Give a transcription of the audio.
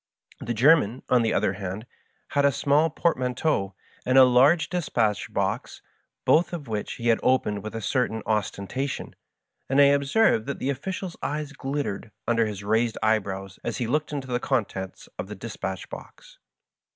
The German, on the other hand, had a small portmanteau and a large dispatch box, both of which he opened with a certain ostentation, and I observed that the official's « eyes glittered under his raised eyebrows as he looked into the contents of the dispatch box.